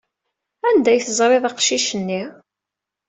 Anda ay teẓriḍ aqcic-nni?